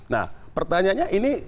nah pertanyaannya ini